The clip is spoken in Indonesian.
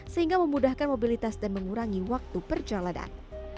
sehingga memudahkan mobilitas dan mengurangi waktu perjalanan